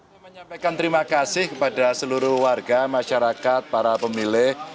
saya menyampaikan terima kasih kepada seluruh warga masyarakat para pemilih